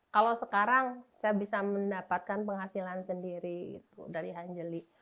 kalau sekarang saya bisa mendapatkan penghasilan sendiri dari hanjeli